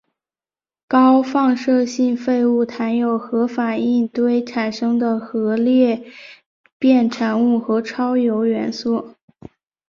高放射性废物含有核反应堆产生的核裂变产物和超铀元素。